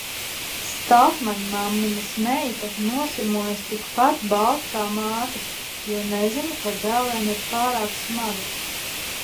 Staltmaņmammiņas meita nosirmojusi tikpat balta kā māte, jo neziņa par dēliem ir pārāk smaga.